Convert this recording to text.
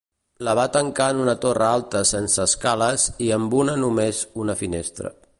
La va tancar en una torre alta sense escales i amb una només una finestra.